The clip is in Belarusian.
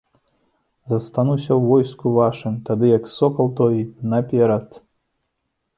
Застануся ў войску вашым, тады, як сокал той, наперад!